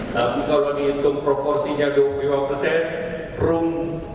tapi kalau dihitung proporsinya dua puluh lima persen room